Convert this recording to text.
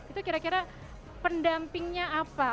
itu kira kira pendampingnya apa